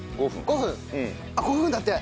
５分だって！